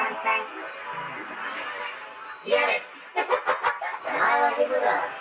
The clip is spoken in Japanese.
嫌です。